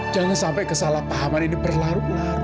jangan sampai kesalahpahaman ini berlarut larut